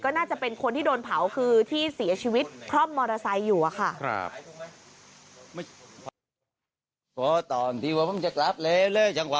น่าจะเป็นคนที่โดนเผาคือที่เสียชีวิตคร่อมมอเตอร์ไซค์อยู่อะค่ะ